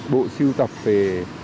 bộ sưu tập về